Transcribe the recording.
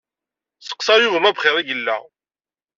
Sseqsaɣ Yuba ma bxir i yella.